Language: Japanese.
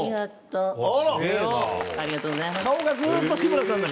ありがとうございます。